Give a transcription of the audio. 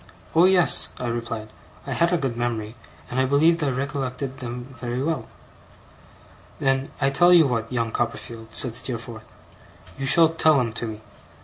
'Oh yes,' I replied; I had a good memory, and I believed I recollected them very well. 'Then I tell you what, young Copperfield,' said Steerforth, 'you shall tell 'em to me.